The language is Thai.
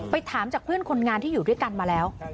ถามจากเพื่อนคนงานที่อยู่ด้วยกันมาแล้ว